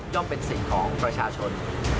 ย่อมเป็นสิ่งของประชาชน